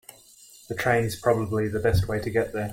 The train is probably the best way to get there.